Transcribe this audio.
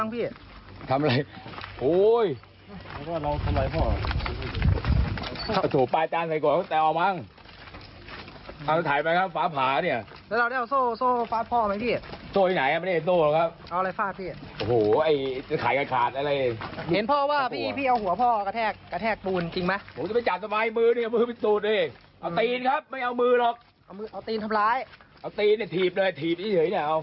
เอาตีนครับไม่เอามือหรอกเอาตีนทำร้ายเอาตีนอย่าถีบเลยถีบนี่เฉยเนี่ยเอา